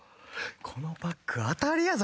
このパック当たりやぞ。